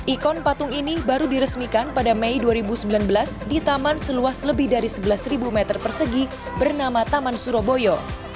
ikon patung ini baru diresmikan pada mei dua ribu sembilan belas di taman seluas lebih dari sebelas meter persegi bernama taman surabaya